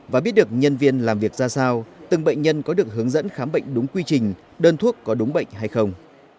và biết được nhân viên làm việc ra sao từng bệnh nhân có được hướng dẫn khám bệnh đúng quy trình đơn thuốc có đúng bệnh hay không